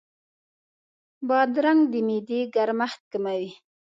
بادرنګ د معدې ګرمښت کموي.